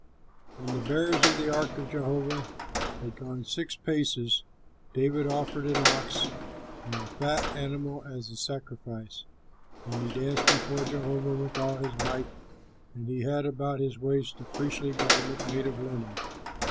When the bearers of the ark of Jehovah had gone six paces, David offered an ox and a fat animal as a sacrifice; and he danced before Jehovah with all his might, and he had about his waist a priestly garment made of linen.